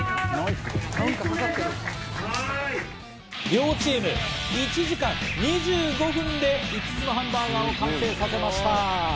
両チーム、１時間２５分で５つのハンバーガーを完成させました。